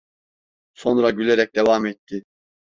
Sonra gülerek devam etti: